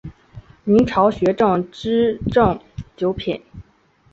明朝学正秩正九品。